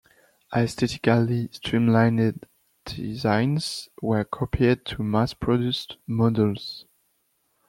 Aesthetically streamlined designs were copied to mass-produced models.